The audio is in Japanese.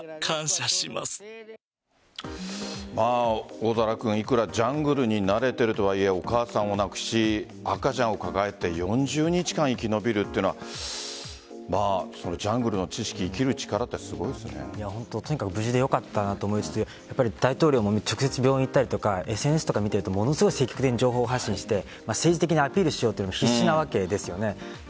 大空君いくらジャングルに慣れているとはいえお母さんを亡くし赤ちゃんを抱えて４０日間、生き延びるというのはジャングルの知識とにかく無事でよかったなと思いますし大統領も直接病院に行ってＳＮＳを見ていると積極的に情報発信して政治的にアピールしようと必死なわけです。